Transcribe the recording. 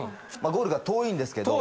ゴールが遠いんですけど。